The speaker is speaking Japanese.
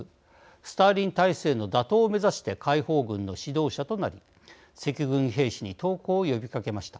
スターリン体制の打倒を目指して解放軍の指導者となり赤軍兵士に投降を呼びかけました。